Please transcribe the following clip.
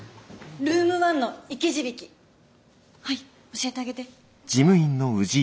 ルーム１の生き字引はい教えてあげて。